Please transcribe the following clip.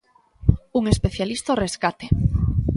Un especialista ao rescate.